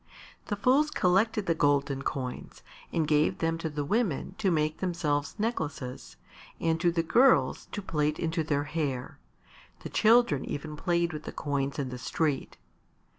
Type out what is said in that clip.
The fools collected the golden coins and gave them to the women to make themselves necklaces and to the girls to plait into their hair; the children even played with the coins in the street.